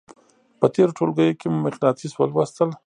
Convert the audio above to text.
په تېرو ټولګیو کې مو مقناطیس ولوستل.